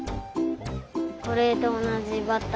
これとおなじバッタ。